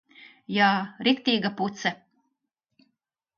Jā. Riktīga puce.